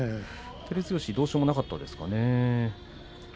照強、どうしようもなかったですか。